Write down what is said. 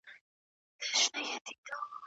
هغه خلک چې په ګډه خاندي، ګډ پاتې کېږي.